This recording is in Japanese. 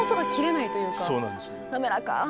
滑らかな。